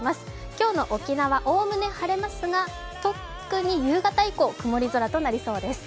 今日の沖縄、概ね晴れますが、特に夕方以降曇り空となりそうです。